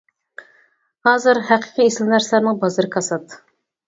ھازىر ھەقىقىي ئېسىل نەرسىلەرنىڭ بازىرى كاسات.